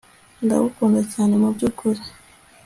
ndagukunda cyane mubyukuri